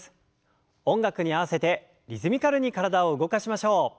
音楽に合わせてリズミカルに体を動かしましょう。